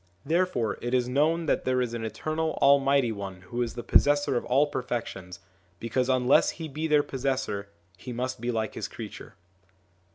Therefore it is known that there is an Eternal Almighty One who is the possessor of all perfections ; because unless He be their possessor, He must be like His creature.